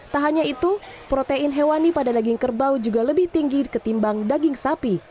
tak hanya itu protein hewani pada daging kerbau juga lebih tinggi ketimbang daging sapi